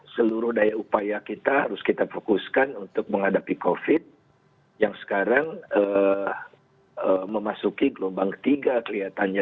seluruh daya upaya kita harus kita fokuskan untuk menghadapi covid yang sekarang memasuki gelombang ketiga kelihatannya